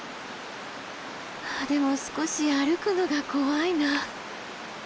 でも少し歩くのが怖いな。